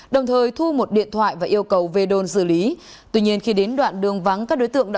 đồng thời thu một tài sản để cướp xe mô tô của người đi đường